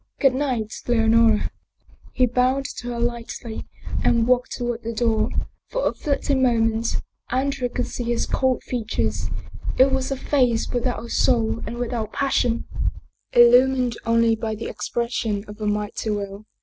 Good night, Leonora! " He bowed to her lightly and walked toward the door. For a fleeting moment Andrea could see his cold features. It was a face without a soul and without passion, illumined only by the expression of a mighty will.